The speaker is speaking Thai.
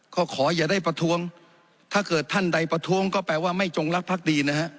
ก็ขออย่าได้ประท้วงถ้าเกิดท่านใดประท้วงก็แปลว่าไม่จงรักภักดีนะฮะ